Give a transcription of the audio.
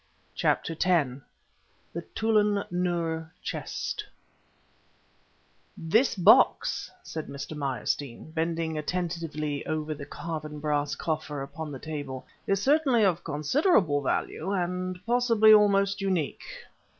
_" CHAPTER X THE TÛLUN NÛR CHEST "This box," said Mr. Meyerstein, bending attentively over the carven brass coffer upon the table, "is certainly of considerable value, and possibly almost unique."